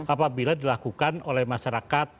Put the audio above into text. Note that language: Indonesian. apabila dilakukan oleh masyarakat